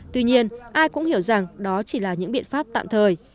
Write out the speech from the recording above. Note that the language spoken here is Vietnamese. tuy nhiên ai cũng hiểu rằng đó chỉ là những biện pháp tạm thời